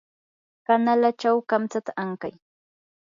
kanalachaw kamtsata ankay.